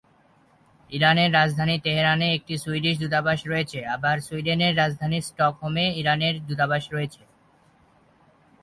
Iran এর রাজধানী Tehran এ একটি সুইডিশ দূতাবাস রয়েছে, আবার সুইডেন এর রাজধানী স্টকহোম এ ইরানের দূতাবাস রয়েছে।